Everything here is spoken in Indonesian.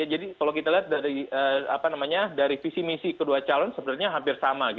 jadi kalau kita lihat dari visi misi kedua calon sebenarnya hampir sama